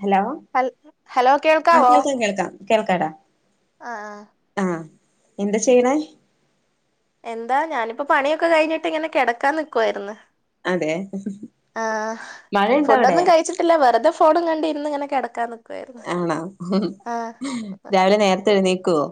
Hello ഹൽ hello ആ കേൾക്കാം കേൾക്കാം കേൾക്കാടാ ആ ആ ആ എന്താ ചെയ്യണേ എന്താ ഞാനിപ്പോ പണിയൊക്കെ കഴിഞ്ഞിട്ട് ഇങ്ങനെ കിടക്കാൻ നിക്കുവായിരുന്നു അതെ ആ മഴയുണ്ടോ അവിടെ ഫുഡൊന്നും കഴിച്ചിട്ടില്ല വെറുതെ ഫോ ഫോണും കണ്ടിരുന്ന് ഇങ്ങനെ കിടക്കാന്ന് ആണാ രാവിലെ നേരത്തെ എഴുന്നേക്കുവോ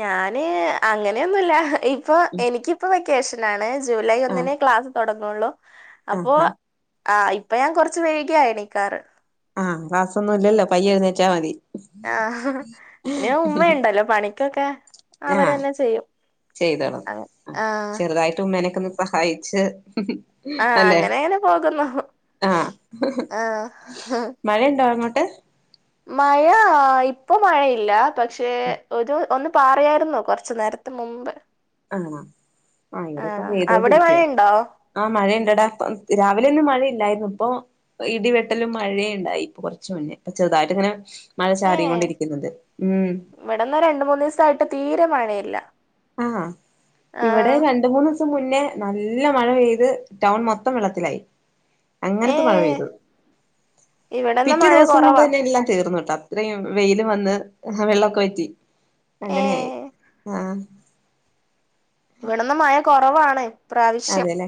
ഞാന് അങ്ങനെയൊന്നുവില്ല ഇപ്പൊ എനിക്കിപ്പൊ വെക്കേഷനാണ് ജൂലൈ ആ ഒന്നിനേ ക്ലാസ് തുടങ്ങുള്ളൂ ആ അപ്പൊ ആ ആ ഇപ്പൊ ഞാൻ കുറച്ച് വൈകിയ എണിക്കാറ് ആഹ് ക്ലാസ്സൊന്നും ഇല്ലല്ലോ പയ്യെ എഴുന്നേച്ചാ മതി ആഹ് പിന്നെ ഉമ്മയുണ്ടല്ലോ പണിക്കൊക്കെ ആ അവരെന്നെ ചെയ്യും ചെയ്തോളും അങ്ങ ആ ആഹ് ചെറുതായിട്ട് ഉമ്മേനെ ഒന്ന് സഹായിച്ച് അല്ലെ അങ്ങനെ അങ്ങനെ പോകുന്നു ആ ആഹ് മഴണ്ടോ അങ്ങോ ട്ട് മഴ ഇപ്പൊ മഴയില്ല പക്ഷെ ഒരു ഒന്ന് പാറിയായിരുന്ന് കൊറച്ചു നേരത്തെ മുമ്പ് ആണോ ആ ഇവിടെ ഇപ്പൊ ആഹ് പെയ്തോണ്ട് അവിടെ ഇരിക്കുവ മഴയുണ്ടോ ആ മഴയ ഇണ്ടടാ രാവിലെ ഒന്നും മഴ ഇല്ലായിരുന്നു ഇപ്പൊ ഇടിവെട്ടലും മഴയുണ്ടായി ഇപ്പൊ കൊറച്ചുമുന്നേ ഇപ്പൊ ചെറുതായിട്ട് ഇങ്ങനെ മഴ ഏഹ് ചാറികൊണ്ടിരിക്കുന്നുണ്ട് ഉം ഇവിടെന്ന് രണ്ട് മൂന്ന് ദിവസായിട്ട് തീരെ മഴയില്ല ആഹ് ഇവിടെ ആഹ് രണ്ടുമൂന്ന് ദിവ സം മുന്നേ നല്ല മഴ പെയ്ത് ടൗൺ മൊത്തം വെള്ളത്തിലായി അങ്ങനത്തെ മഴ ഏഹ് പെയ്തു ഇവിടെന്ന് പിറ്റേ മഴ ദിവസം കൊണ്ട് കൊറവാ തന്നെ എല്ലാം തീർന്നുട്ടോ അത്രയും വെയില് വന്ന് വെള്ളൊക്കെ വറ്റി അങ്ങനെയായി ഏഹ് ആ ഇവിടെ ഇന്ന് മഴ കുറവാണ് അതെല്ലേ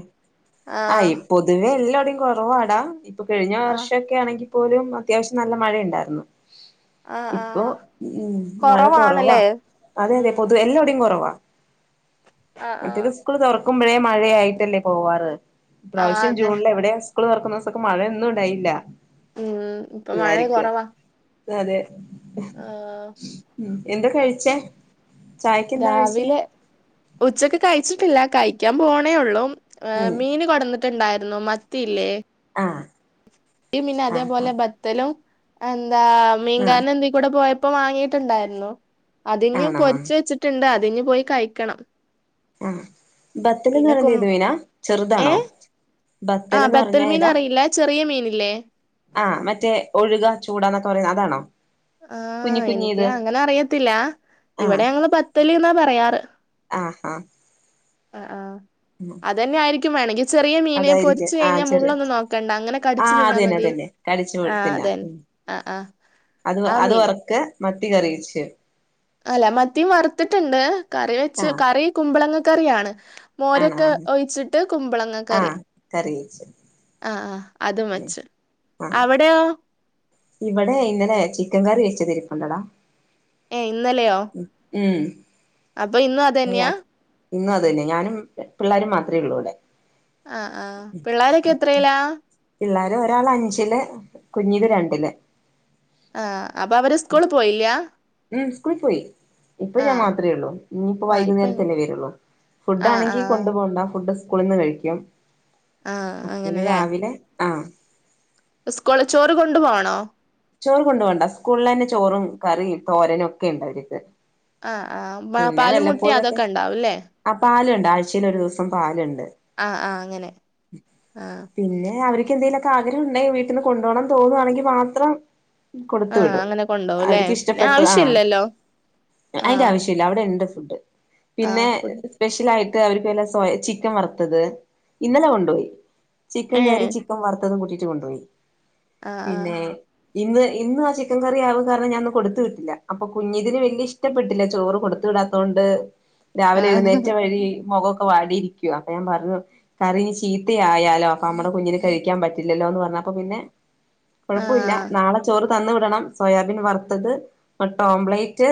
ആ ഈ പൊതുവേ എല്ലോ ടത്തും കുറവാടാ ഇപ്പൊ കഴിഞ്ഞ ആഹ് വർഷമൊക്കെ ആണെങ്കിൽ പോലും അത്യാവശ്യം നല്ല മഴ ഉണ്ടായിരുന്നു ആഹ് ഇപ്പൊ ആഹ് ഉം മഴ കുറവാ കൊറവാണല്ലേ അതെ അതെ ഉം പൊതുവെ എല്ലാടെയും കുറവാ ആഹ് ആഹ് മറ്റേത് സ്കൂള് തുറക്കുമ്പോഴേ മഴയായിട്ടല്ലേ പോവാറ് ഈ ആഹ് പ്രാവശ്യം അതെ ജൂണിലെവിടെയാ സ്കൂള് തുറക്കുന്ന ദിവസൊക്കെ മഴയൊന്നും ഉണ്ടായില്ല ഉം ഇപ്പൊ മഴ പിള്ളാര്ക്ക് കുറവാ അതെ എന്താ കഴിച്ചേ ചായക്ക് എന്താ കഴിച്ചേ രാവിലെ ഉച്ചക്ക് കഴി ച്ചിട്ടില്ല കഴിക്കാൻ പോണേള്ളൂ ഉം മീന് കൊണ്ടുവന്നിട്ടുണ്ടായിരുന്നു മത്തിയില്ലേ ആ ഈ മീൻ അതേപോലെ ബത്തലും എന്താ ആഹ് മീൻകാരൻ ഇതികൂടെ പോയ പ്പോ വാങ്ങിട്ടുണ്ടായിരുന്നു അതിഞ്ഞ് ആണോ പൊരിച്ച് വെച്ചിട്ടുണ്ട് അതിനി പോയി കഴിക്കണം ആ ബത്തില് എന്ന് പിന്നെ പറയുന്നേ കും ഏത് മീനാ ചെറുതാണോ ഏഹ് ആഹ് ബത്തലെന്ന് പറഞ്ഞ ബത്തൽ മീൻ ഏതാ അറിയില്ല ചെറിയ മീനില്ലേ ആ മറ്റേ ഒഴുക ചൂടന്നൊക്കെ പറയുന്നേ അതാണോ കുഞ്ഞി ആഹ് കുഞ്ഞി എനിക്ക് ഇത് അങ്ങനെ അറിയത്തില്ല ആഹ് ഇവിടെ ഞങ്ങള് ബത്തല് എന്നാ പറയാറ് ആ ആ ആ അതെന്നെ ആയിരിക്കും വേണെങ്കി ചെറിയ മീനെ അതായിരിക്കും പൊരിച്ച് ആ കഴിഞ്ഞാ ചെറി മുള്ളൊന്നും നോക്കണ്ട അങ്ങനെ ആ കടിച്ചു തിന്നാ അതന്നെ മതി അതന്നെ കടിച്ചു ആ തിന്നാം അതന്നെ ഉം ആഹ് ആഹ് അത് ആ അത് മീന് വറക്കാ മത്തി കറിവച്ചു അല്ല മത്തിയും വറുത്തിട്ടുണ്ട് കറി ആ വെച്ച് കറി കുമ്പളങ്ങ കറിയാണ് ആണോ മോരൊക്കെ ആ ഒഴിച്ചിട്ട് കുമ്പളങ്ങ ആ കറി കറി വെച്ച് ആഹ് ആഹ് അത് മച്ച് ആ അവിടെയോ ഇവിടെ ഇന്നലെ ചിക്കൻ കറി വെച്ചതിരിപ്പുണ്ടടാ ഏ ഇന്നലെയോ ഉം അപ്പൊ ഇന്നും അതന്നെയാ ഇന്നും അതെന്നാ ഞാനും പിള്ളോരും മാത്രമേ ഉള്ളൂ ഇവിടെ ആഹ് ആഹ് പിള്ളോരൊക്കെ എത്രേ ലാ പിള്ളേര് ഒരാള് അഞ്ചില് കുഞ്ഞില് രണ്ടില് ആ അപ്പൊ അവര് സ്കൂള് പോയില്ലാ ഉം സ്കൂൾ പോയി ഇപ്പൊ ഞാൻ മാത്രമേ ഉള്ളൂ ഇനിയിപ്പ ആ ഇപ്പൊ ഇ- വൈകുന്നേരതെല്ലെ വരുള്ളൂ ഫുഡ് ആ ആ ആണെങ്കിൽ കൊണ്ടു പോോകണ്ട ഫുഡ് സ് ക്കൂളിന്ന് കഴിക്കും ആ പിന്നെ രാവിലെ ആ സ്ക്കൂള് ചോറ് കൊണ്ടു പോണോ ചോറ് കൊണ്ടുപോണ്ട സ്കൂളെന്നെ ചോറും കറിയും തോരനും ഒക്കെ ഉണ്ട് അവര്ക്ക് ആ ആ പാ- പിന്നെ പാലും മുട്ടയും വെല്ലപ്പോഴൊക്കെ അതൊക്കെ ഉണ്ടാവും അല്ലേ ആ പാലുണ്ട് ആഴ്ചയിൽ ഒരു ദിവസം പാലുണ്ട് ആ ആ അങ്ങനെ ആ പിന്നെ അവർക്ക് എന്തെലൊ ക്കെ ആഗ്രഹം ഉണ്ടായി വീട്ടീന്ന് കൊണ്ടു തോന്നാ ണെങ്കി. മാത്രം ആ കൊടുത്തു വിടും അങ്ങനെ കൊണ്ടുപോകും അല്ലേ അവർക്ക് പിന്നെ ഇഷ്ടപ്പെട്ടത് ആ ആവശ്യമില്ലല്ലോ ആ അതിന്റെ ആവശ്യ അവിടെ ണ്ട് ഫുഡ് ആ പിന്നെ ഫുഡ് സ്പെഷലായി ട്ട് അവർക്ക്ല്ലാം സോയ ചിക്കൻ വറുത്തത് ഇന്നലെ കൊണ്ടുപോയി ചിക്കൻ ഏ കറി ചിക്കൻ വറുത്ത ത്തതും കൂട്ടിട്ട് കൊണ്ടുപോയി ആഹ് പിന്നെ ഇന്ന് ഇന്നും ആ ചിക്കൻ കറി ആവുക കാരണം ഞാൻന്ന് കൊടുത്ത് വിട്ടില്ല അപ്പൊ കുഞ്ഞിതിന് വല്ല്യാ ഇഷ്ടപ്പെട്ടില്ല ചോറും കൊടുത്ത് വിടാത്തോണ്ട് രാവിലെ എഴുന്നേറ്റ ആഹ് വഴി മുഖ ഒക്കെ വാടിയിരിക്കുവാ അപ്പൊ ഞാൻ പറഞ്ഞു കറിഞ് ചീത്തയാലോ അപ്പൊ അമ്മടെ കുഞ്ഞിന് കഴിക്കാൻ പറ്റില്ലല്ലോ എന്ന് പറഞ്ഞാപ്പോ അപ്പൊ പിന്നെ കുഴപ്പില്ല ആഹ് നാളെ ചോറ് തന്ന് വിടണം സോയാബീൻ വറുത്തത് മുട്ട ഓംബ്ളേയ്റ്റ്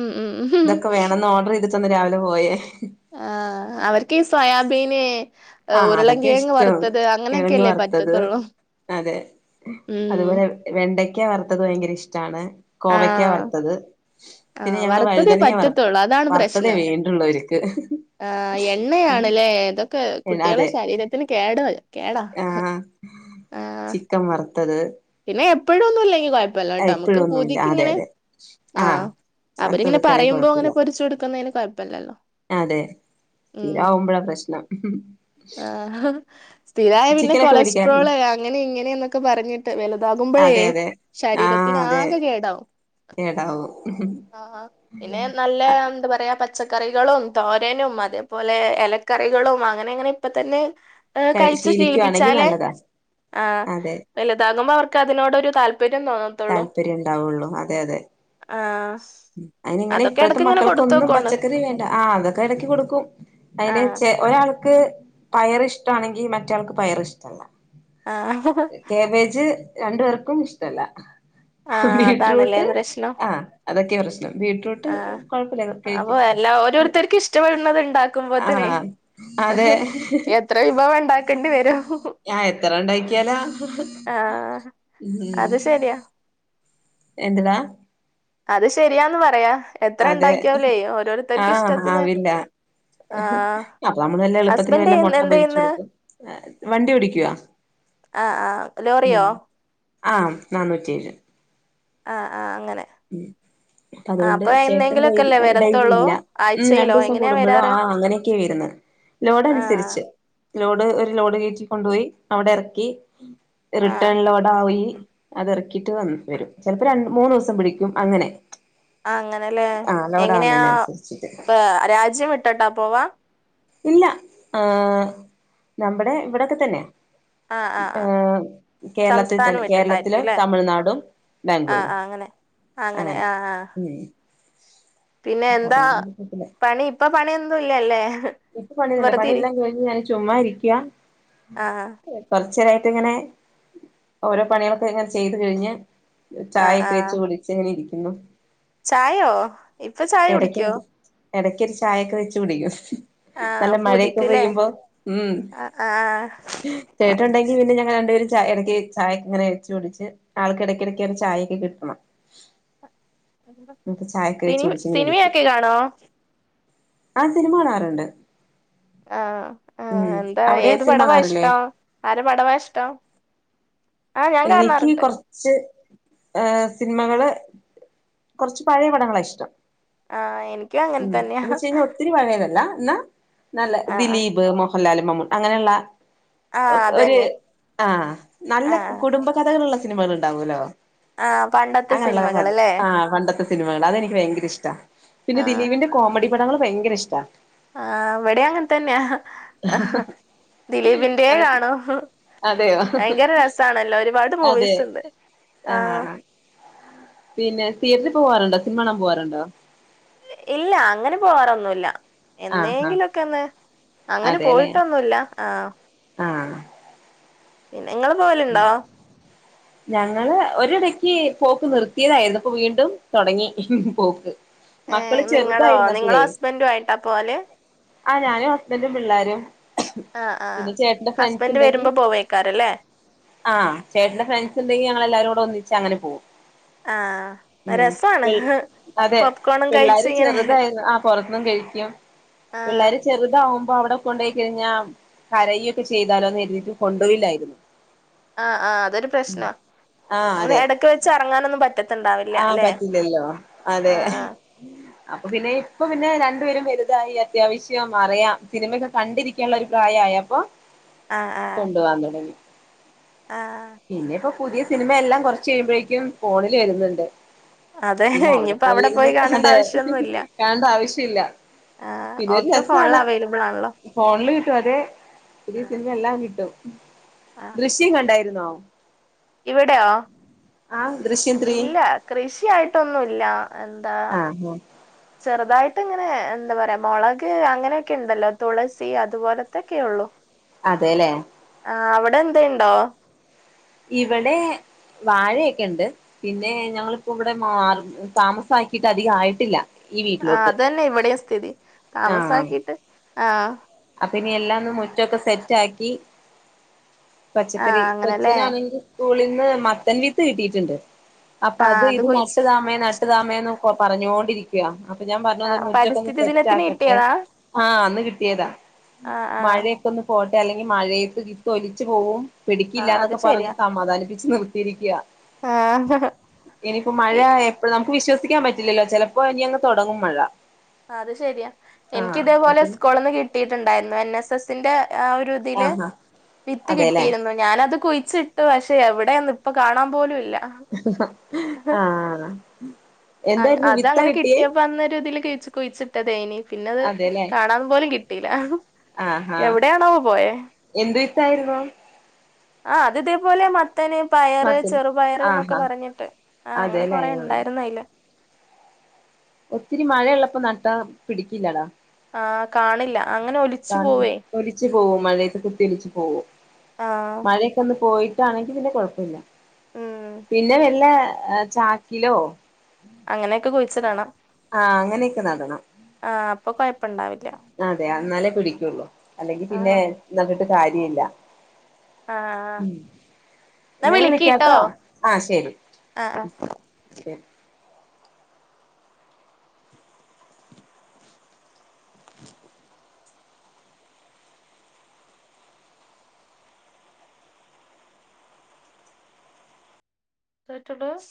ഉം ഉം ഉം ഇതൊക്കെ വേണംന്ന് ഓർഡർ ചെയ്തിട്ടാ ഇന്ന് രാവിലെ പോയേ ആഹ് അവർക്ക് ഈ സോയാബീന് ആ അതൊക്കെ ഉരുളങ്കിഴങ്ങ് ഇഷ്ടം വറുത്തത് കിഴങ്ങ് അങ്ങനെയൊക്കെയല്ലേ വറുത്തത് പറ്റത്തുള്ളൂ അതെ ഉം അതുപോലെ വെണ്ടക്ക വറുത്തത് ഭയങ്കര ഇഷ്ടമാണ് കോവയ്ക്കാ ആഹ് വറുത്തത് പിന്നെ ആഹ് ഞങ്ങള് വറുത്തതേ വഴുതനിയ വറക്കും പറ്റത്തുള്ളൂ വറുത്തതേ വേണ്ടുള്ളൂവർക്ക് ആ എണ്ണയാണ് ലെ ഇതൊക്കെ കുട്ടികളെ അതെ ശരീരത്തിന് കേടുവരും കേടാ ആഹ് ആഹ് ചിക്കൻ വറുത്തത് പിന്നെ എപ്പോഴൊന്നും ഇല്ലെങ്കി കുഴപ്പില്ലട്ടോ നമുക്ക് ഇപ്പോഴൊന്നുമില്ല പൂതിക്ക് അതെ ഇങ്ങനെ അതെ ആഹ് വറുത്ത് അവരിങ്ങനെ കൊടുക്കയാണെങ്കിൽ പറയുമ്പോൾ അങ്ങനെ കുഴപ്പമില്ല പൊരിച്ച് കൊടുക്കുന്നതിന് കോയ അതെ സ്ഥിരാകുമ്പോഴാ പ്രശ്നം ആ സ്ഥിരായ പിന്നെ ചിക്കനൊക്കെ മേടിക്കാറില്ലേ കൊളസ്ട്രോള് അങ്ങനെ ഇങ്ങനെ എന്നൊക്കെ പറഞ്ഞിട്ട് ട്ട് വലുതാകുമ്പോഴേ അതെ അതെ ആഹ് ശരീരത്തിന് അതെ ആകെ കേടാവും കേടാവും ആ പിന്നെ നല്ല എന്താ പറയാ പച്ചക്കറികളും തോരനും അതേപോലെ ഇലക്കറികളും അങ്ങനെ അങ്ങനെ ഇപ്പൊ തന്നെ കഴിച്ചു ശീലിക്കുവാണെങ്കിൽ ശീലിപ്പിച്ചാലേ നല്ലതാ ആ അതെ വലുതാകുമ്പോ അവർക്ക് അതിനോടരു താല്പര്യ താല്പര്യം ഉണ്ടാവുള്ളു അതെ അതെ ആഹ് അതിനി ഇങ്ങനെ അതൊക്കെ ഇപ്പഴത്തെ എടക്ക് ഇങ്ങനെ മക്കൾക്കൊന്നും കൊടുത്തോക്കോണ്ടു പച്ചക്കറി വേണ്ട ആ അതൊക്കെ ഇടക്കി കൊടുക്കും അതിന് ആഹ് ചെ ഒരാൾ ക്ക് പയർ ഇഷ്ടാണെങ്കിൽ മറ്റയാൾക്ക് പയർ ഇഷ്ടമല്ല ആഹ് കേബേജ് രണ്ടു പേർക്കും ഇഷ്ടല്ല ആഹ് അതാണല്ലേ ബീട്രൂട്ട് ആ അതൊക്കേണ് പ്രശ്നം ബീറ്റ്റൂട്ട് ആ കുഴപ്പമില്ല അപ്പൊ കഴിക്കും എല്ലാ ഓരോരുത്തർക്കും ഇഷ്ടപ്പെടുന്നത് ഉണ്ടാക്കുമ്പോത്തിന് ആ അതെ എത്ര വിഭവം ഉണ്ടാക്കേണ്ടി വരും ഞാ എത്ര ഉണ്ടായിക്കാലാ ആഹ് അത് ശരിയാ എന്ത് ടാ അത് ശരിയാന്ന് പറയാം എത്ര അതെ ഉണ്ടാക്കിയോലേ ഓരോരുത്തർക്ക് ആഹ് ഇഷ്ടത്തിന് ആവില്ല ആഹ് അപ്പൊ നമ്മള് വല്ല എളുപ്പത്തിന് ഹസ്ബൻഡ് വല്ല മുട്ട എന്ത് പൊരിച്ച ചെയ്യുന്ന് കൊടുക്കും വണ്ടി ഓടിക്ക്യോ ആഹ് ആഹ് ലോറിയോ ഉം ആ നാന്നൂറ്റേഴ് ആ ആ ഉം അതുകൊണ്ട് ചേട്ടൻ ഡ എന്നെങ്കിലുമൊക്കെല്ലേ ഡൈല വരത്തുള്ളൂ ഇല്ല ഉം രണ്ടു ആഴ്ചയിലോ ദിവസം എങ്ങനെയാ കൂടുമ്പോഴോ വരാറ് ആ അങ്ങനെയൊക്കെയ വരന്ന് ലോഡ് ആഹ് അനുസരിച്ച് ആഹ് ലോഡ് ഒരു ലോഡ് കീറ്റിക്കൊണ്ടോയി അവിടെ ഇറക്കി ആഹ് ആഹ് റിട്ടേണിലോടെ ആയി അത് ഇറക്കിട്ട് വ വരും ചിലപ്പോ ര മൂന്ന് ദിവസം പിടി ക്കും അങ്ങനെ ആ അങ്ങനെല്ലേ ആഹ് ലോഡ് എങ്ങനെയാ ആവുന്നതിനനുസരിച്ചിട്ട് ഇ രാജ്യം ഇട്ടട്ടാ പോവാ ഇല്ല ഏ നമ്മുടെ ഇവിടെക്കെ തന്നെ ആഹ് ആഹ് ഏ ആഹ് കേരളത്തിൽ തന്നെ കേരളത്തില തമിഴ്നാടും ആ ബാംഗ്ലൂരും ആ അങ്ങനെ അങ്ങനെ ആഹ് ആഹ് ഉം പിന്നെ അപ്പൊ എന്താ അതുകൊണ്ട് കുഴപ്പല്ല പണി ഇപ്പ പണിന്നും ഇല്ലല്ലേ ഇപ്പ പണിയില്ല വെറുതെ പണി ഇരി ഇല്ലാ കഴിഞ്ഞ് ഞാൻ ചുമ്മാ ഇരിക്കാ ആഹ് തർച്ചയായിട്ട് ഇങ്ങനെ ഓരോ പണികളൊക്കെ ഇങ്ങനെ ചെയ്ത് കഴിഞ്ഞ് ആഹ് ചായക്കെ ആഹ് വെച്ച് കുടിച്ച് ങ്ങനെ ഇരിക്കുന്നു ചായോ ഇപ്പൊ ചായ കുടിക്കുവോ ഇടയ്ക്ക് ഒരു ചായയൊക്കെ വെച്ചു കുടിക്കും ആഹ് നല്ല മഴയൊക്കെ പൂതിക്ക്ല്ലേ പെയ്യുമ്പോ ഉം ആഹ് ആഹ് തേട്ടുണ്ടെങ്കി പിന്നെ ഞങ്ങ രണ്ടപേരും ച ഇടയ്ക്ക് ചായക്കെ ഇങ്ങനെ വെച്ചകുടിച്ച് ആൾക്ക ഇടക്കിടക്കാണ് ചായൊക്കെ കിട്ടണം നക്ക് ചായക്ക് വച്ച് സിനി കുടിച്ച് ങ്ങനെ ഇരിക്കും സിനിമയൊക്കെ കാണോ ആ സിനിമ കാണാറുണ്ട് ആ ആ ഉം ആ എന്താ അവിടെയോ ഏത് സിനിമ പടവാ കാണാറില്ലേ ഇഷ്ടം ആര പടവാ ഇഷ്ടം ആഹ് ഞാൻ എനിക്ക് കാണാറുണ്ട് കുറച്ച് ഏ സിനിമകള് കുറച്ച് പഴയ പടങ്ങളാ ഇഷ്ടം ആഹ് എനിക്കും അങ്ങനെ ഉം തന്നെയാ എന്ന് വച്ച് കഴിഞ്ഞാൽ ഒത്തിരി പഴയതല്ല എന്നാ നല്ല ആഹ് ആഹ് ദിലീപ് മോഹൻലാൽ മമൂൻ അങ്ങനെയുള്ള ആഹ് ഒരു അതന്നെ ആ നല്ല ആഹ് കുടുംബകഥകളുള്ള സിനിമകൾ ഉണ്ടാവുമല്ലോ ആ പണ്ടത്തെ സിനിമകൾ അല്ലേ ആ പണ്ടത്തെ സിനിമകൾ അതെനിക്ക് ഭയങ്കര ഇഷ്ട പിന്നെ ദിലീപിന്റെ കോമഡി പടങ്ങള് ഭയങ്കര ഇഷ്ടാ ആ എവിടെ അങ്ങനെ തന്നെയാ ദിലീപിന്റെ അത് കാണോ അതെയോ ഭയങ്കര രസാണല്ലോ ഒരുപാട് അതെ മൂവീസ് ഉണ്ട് ആ പിന്നെ തീയേറ്ററിൽ പോകറുണ്ടോ സിനിമണൻ പോവാറുണ്ടോ ഇല്ല അങ്ങനെ പോവാറൊന്നുമല്ല ആ ആ എന്നേങ്കിലൊക്കൊന്ന് അങ്ങനെ അതെല്ലേ പോയിട്ടൊന്നുല്ല ആ ആ നിങ്ങളിപോവലുണ്ടോ ഞങ്ങള് ഒരിടക്ക് പോക്ക് നിർത്തിയതായിരുന്നു ഇപ്പൊ വീണ്ടും തൊടങ്ങി പോക്ക് ഏ മക്കള് നിങ്ങളോ നിങ്ങളോ ചെറുതായിരുന്നപ്പോഴേ ഹസ്ബൻ്റും ആയിട്ടാ പോല് ആ ഞാനും ഹസ്ബൻ്റും പിള്ളോരും ആഹ് ആഹ് പിന്നെ ചേട്ടന്റെ ഫ്രണ്ട്സ് ഹസ്ബൻഡ് ണ്ടെങ്കി വരുമ്പോ പോവേക്കാരല്ലേ ആ ചേട്ടന്റെ ഫ്രണ്ട്സ് ഉണ്ടെങ്കിൽ ഞങ്ങ എല്ലാരും കൂടെ ഒന്നിച്ച് അങ്ങനെ പോകും ആ ഉം രസതന്ത്രം പി ഹ് അതെ പിള്ളേര് ചെറുതായിരുന്നു. ആ പൊറത്തുന്നും കഴിക്കും ആഹ് പിള്ളേര് ചെറുതാവുമ്പ അപ്പൊ അവിടെ കൊണ്ടയി കഴിഞ്ഞാ കരയൊക്കെ ചെയ്താലോന്ന് കർതീട്ട് കൊണ്ടോയില്ലായിരുന്നു. ആ ആഅതൊരു പ്രശ്നമ ആഹ് അങ്ങനെ അതെ ഇടക്ക് വെച്ച് എറങ്ങാനൊന്നും പറ്റ ആഹ് പറ്റില്ലല്ലോ അതെ ആഹ് അപ്പൊ പിന്നെ ഇപ്പ പിന്നെ രണ്ടുപേരും വലുതായി അത്യാവശ്യം അറിയാം സിനിമയൊക്കെ കണ്ടിരിക്കാള്ളെ ഒരു പ്രായാ ആയപ്പോ ആഹ് ആഹ് കൊണ്ടോവാൻ തുടങ്ങി. ആഹ്. പിന്നെ ഇപ്പൊ പുതിയ സിനിമയെല്ലാം കുറച്ച് കഴിയുമ്പോഴേക്കും ഫോണില് വരുന്നുണ്ട്. അതെ പിന്നെ അവിടെ ഇനിയിപ്പോ പോയിര്ന്ന് പോയി കാണണ്ട അതെ ആവശ്യൊന്നുല്ല കാണണ്ട ആവശ്യമില്ല. ആഹ് പിന്നെ ഒരു ഒക്കെ ഫോണിൽ രസാണ്. അവൈലബിൾ ആണല്ലോ ഫോണില് കിട്ടും അതെ. പുതിയ ആഹ് സിനിമ എല്ലാം കിട്ടും. ആഹ് ദൃശ്യം കണ്ടായിരുന്നോ? ഇവിടെയോ ആഹ് ദൃശ്യം ത്രീ ഇല്ല. കൃഷിയായിട്ടൊന്നൂല്ല എന്താ ആഹ് ആഹ് ചെറുതായിട്ട്ഇങ്ങ പിന്നെ എന്താ പറയാ മൊളക് അങ്ങനെയൊക്കെ ഉണ്ടല്ലോ തുളസി അതുപോലത്തൊക്കെ ഉള്ളു. അതേലെ. ടെ എന്തേണ്ടോ? ഇവടെ വാഴയൊക്കെ ഉണ്ട്. പിന്നെ ഞങ്ങളിപ്പോ ഇവിടെ മാ താമസാക്കീട്ട് അധികം ആയിട്ടില്ല. ഈ ആ വീട്ടിലോട്ട് അത് തന്നെ ഇവിടെയും സ്ഥിതി. ആഹ് താമസാക്കീട്ട് ആ അപ്പൊ ഇനി എല്ലാം ഒന്ന് മുറ്റൊക്കെ സെറ്റ് ആക്കി ആ പച്ചക്കറി അങ്ങനല്ലേ കൊച്ചിനാണെങ്കിൽ സ്കൂളിൽ നിന്ന് മത്തൻ വിത്ത് കിട്ടിയിട്ട്ണ്ട്. അപ്പൊ ആ അത് ഇത് കൊഴിച്ച് നട്ടുതാമ്മെ നട്ടുതാമേന്ന് പറഞ്ഞോണ്ടിരിക്ക. ഞാൻ ആ പറഞ്ഞു മുറ്റൊക്കെ ഒന്ന് പരിസ്ഥിതി സെറ്റ് ദിനത്തിന് ആക്കട്ടെ കിട്ടിയതാ ആഹ് അന്ന് കിട്ടിയതാ. ആ ആഹ് മഴയൊക്കെ ഒന്ന് പോട്ടെ അല്ലെങ്കിൽ മഴയത്ത് വിത്ത് ഒലിച്ച് പോവും, ആ പിടിക്കില്ല അത് എന്നൊക്കെ പറഞ്ഞ് ശരിയാ സമാധാനിപ്പിച്ച് നിർത്തിയിരിക്കാ. ആ ഇനിയിപ്പോ മഴ ഇ- എപ്പഴ നമുക്ക് വിശ്വസ സിക്കാൻ പറ്റില്ലല്ലോ ചെലപ്പോ ഇനി അങ് തുടങ്ങും മഴ. അത് ശരിയാ എനിക്ക് ആഹ് ഇതേപോലെ അപ്പൊ സ്കൂള്ന്ന് കിട്ടിയിട്ടുണ്ടായിരുന്നു എൻ എസ് എസ്സിന്റെ ആ ഒരു ഇതിൽ ആഹാ വിത്ത് അതെല്ലേ കിട്ടിയിരുന്നു ഞാനത് കുഴി ച്ചിട്ട് പക്ഷെ എവിടെയന്ന് ഇപ്പൊ കാണാൻ പോലുംല്ല. ആ. അ അത് അങ്ങനെ കിട്ടിയപ്പോ അന്നൊരുഇതിൽകിഴിച്ച്ക്കുഴിച്ചിട്ടതേനി. പിന്നത് അതെല്ലേ കാണാൻ പോലും കിട്ടീല. ആഹാ എവിടെയാണാവോ പോയെ. [unintelligible] ആ അത് ഇതേപോലെ മ ത്തൻ, പയറ്, മത്തൻ ചെറുപയർ, എന്നൊക്കെ ആഹാ പറഞ്ഞിട്ട് ആ അങ്ങനെ അതെല്ലേ കൊറെ ഉണ്ടായിരുന്നു അതിൽ. ത്ത ഒത്തിരി മഴയുള്ളപ്പോ നട്ടാ പിടിക്കില്ലടാ. ആ കാണില്ല അങ്ങനെ ഒലിച്ചു കാണില്ല. പോവേ ഒലിച്ചു പോകും മഴയത്ത് കുത്തി ഒലിച്ച് പോകും. ആ മഴയൊക്ക ഒന്ന് പോയി ആണെങ്കിൽ പിന്നെ ക കൊഴപ്പല്ല. ഉം പിന്നെ വല്ല ചാക്കിലോ അങ്ങനെയൊക്കെ കുഴിച്ചിടണം. ആ അങ്ങനെയൊക്കെ നടണം. ഇപ്പം കൊഴപ്പം ഉണ്ടാവില്ല. അതെ എന്നാലേ പിടിക്കുള്ളു. അല്ലെങ്കിൽ ആ പിന്നെ നട്ടിട്ട് കാര്യ ഇല്ല. ആ ആ എന്നാ ഞാൻ വിളിക്കീട്ടോ വിളിക്കാട്ടോ ആ ശരി അ അ ശരി [inaudible] [unintelligible]